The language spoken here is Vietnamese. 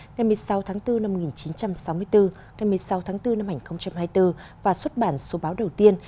ngày một mươi sáu tháng bốn năm một nghìn chín trăm sáu mươi bốn ngày một mươi sáu tháng bốn năm hai nghìn hai mươi bốn và xuất bản số báo đầu tiên